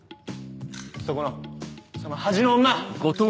そこのそのはじの女！